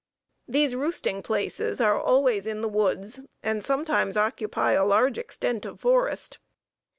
These roosting places are always in the woods, and sometimes occupy a large extent of forest.